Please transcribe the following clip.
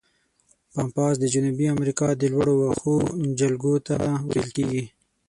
پامپاس د جنوبي امریکا د لوړو وښو جلګو ته ویل کیږي.